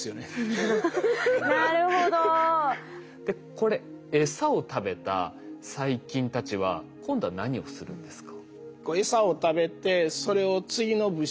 これエサを食べた細菌たちは今度は何をするんですか？